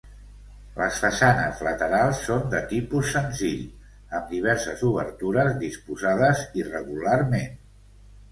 Les façanes laterals són de tipus senzill, amb diverses obertures disposades irregularment.